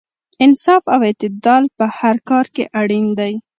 انصاف او اعتدال په هر کار کې اړین دی.